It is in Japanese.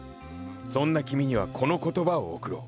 そんな君にはこの言葉を贈ろう。